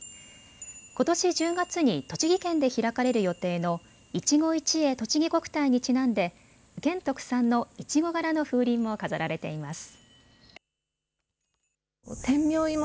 ことし１０月に栃木県で開かれる予定のいちご一会とちぎ国体にちなんで県特産のいちご柄の風鈴も飾られています。